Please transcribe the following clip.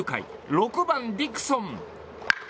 ６番、ディクソン。